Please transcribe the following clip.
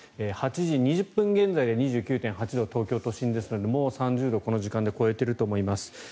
８時２０分現在で２９．８度東京都心ですのでもう３０度をこの時間で超えていると思います。